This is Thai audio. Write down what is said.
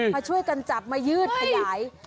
มาช่วยกันจับมายืดขยาย